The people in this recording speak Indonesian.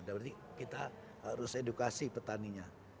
berarti kita harus edukasi petaninya